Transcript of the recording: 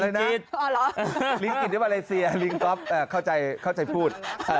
ลิงกิตลิงกิตหรือว่าอะไรเสียลิงก๊อบเข้าใจพูด